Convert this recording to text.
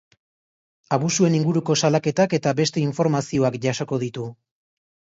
Abusuen inguruko salaketak eta beste informazioak jasoko ditu.